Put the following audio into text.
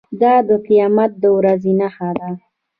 دا د قیامت د ورځې نښه ده.